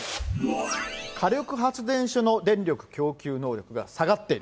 火力発電所の電力供給能力が下がっている。